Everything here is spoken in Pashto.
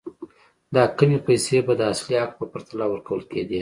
دا کمې پیسې به د اصلي حق په پرتله ورکول کېدې.